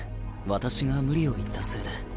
私が無理を言ったせいで。